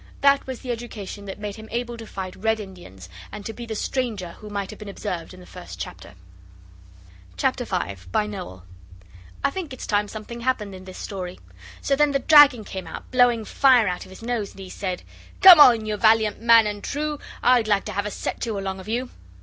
That was the education that made him able to fight Red Indians, and to be the stranger who might have been observed in the first chapter. CHAPTER V by Noel I think it's time something happened in this story. So then the dragon he came out, blowing fire out of his nose, and he said 'Come on, you valiant man and true, I'd like to have a set to along of you!